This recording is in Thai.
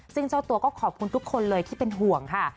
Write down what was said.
ซึ่งเจ้าตัวก็ขอบคุณทุกคนเลยที่เป็นห่วงค่ะ